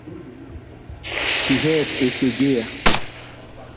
Chiheb Esseghaier